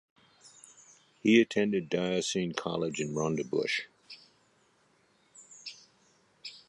He attended Diocesan College in Rondebosch.